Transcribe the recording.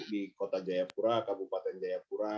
di kota jayapura kabupaten jayapura